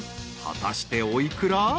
［果たしてお幾ら？］